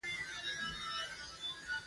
غوماشې کله د کور په چت یا پردو پټې وي.